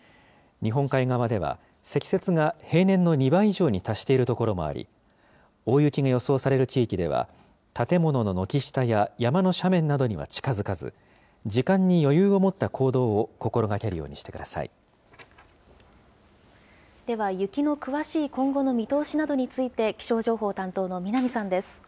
日本海側では、積雪が平年の２倍以上に達している所もあり、大雪が予想される地域では建物の軒下や、山の斜面などには近づかず、時間に余裕を持った行動を心がけるよでは雪の詳しい今後の見通しなどについて、気象情報担当の南さんです。